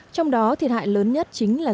trong đó thiệt hại lớn nhất chính là do